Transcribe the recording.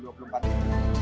empat empat juta lapangan